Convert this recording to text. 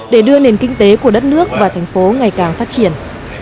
để đưa nền kinh tế của đất nước và thành phố ngày càng phát triển